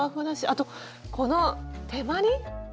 あとこの手まり。